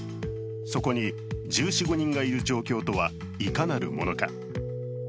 そこに１４１５人がいる状況とはいかなるものか。